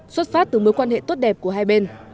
xuất phát từ mối quan hệ tốt đẹp của hai bên